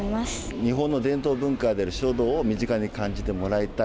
日本の伝統文化である書道を身近に感じてもらいたい。